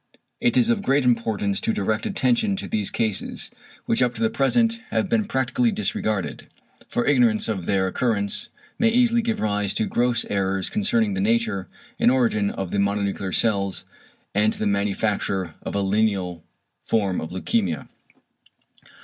It is of great importance to direct attention to these cases, which up to the present have been practically disregarded for ignorance of their occurrence may easily give rise to gross errors concerning the nature and origin of the mononuclear cells, and to the manufacture of a lienal form of leukæmia.